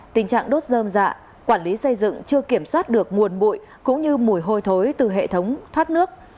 tình trạng đốt dơm dạ quản lý xây dựng chưa kiểm soát được nguồn bụi cũng như mùi hôi thối từ hệ thống thoát nước